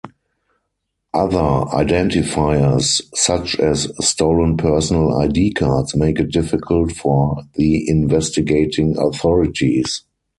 Other identifiers such as stolen personal ID cards make it difficult for the investigating authorities.